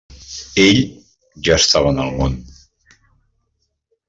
«Ell» ja estava en el món.